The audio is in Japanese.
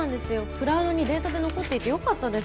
クラウドにデータで残っていてよかったです